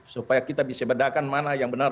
supaya kita bisa bedakan mana yang benar